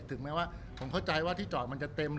ถึงแม้ว่าผมเข้าใจว่าที่จอดมันจะเต็ม